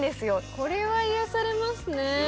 これは癒やされますね。